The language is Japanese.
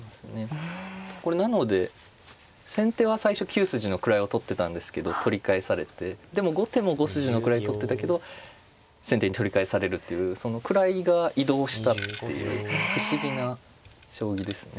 これなので先手は最初９筋の位を取ってたんですけど取り返されてでも後手も５筋の位を取ってたけど先手に取り返されるというその位が移動したっていう不思議な将棋ですね。